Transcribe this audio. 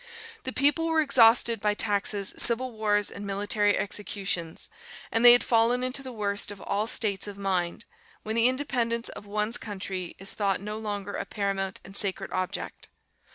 "The people were exhausted by taxes, civil wars, and military executions; and they had fallen into that worst of all states of mind, when the independence of one's country is thought no longer a paramount and sacred object.